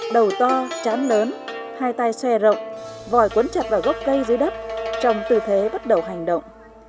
đầu to chán lớn hai tay xòe rộng vòi quấn chặt vào gốc cây dưới đất trong tư thế bắt đầu hành động